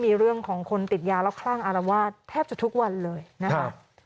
มีเรื่องของคนติดยาแล้วคลั่งอารวาสแทบจะทุกวันเลยนะคะ